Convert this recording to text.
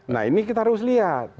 nah ini kita harus lihat